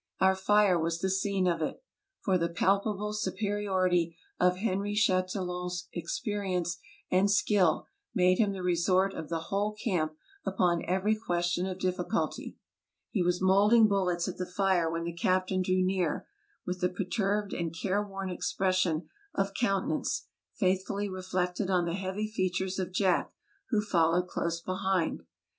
Our fire was the scene of it; 82 TRAVELERS AND EXPLORERS for the palpable superiority of Henry Chatillon's experience and skill made him the resort of the whole camp upon every question of difficulty. He was molding bullets at the fire when the captain drew near, with a perturbed and careworn expression of countenance, faithfully reflected on the heavy features of Jack, who followed close behind.